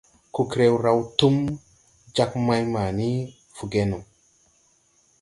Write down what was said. Kokrew raw túm jāg mày mani Fuugeno.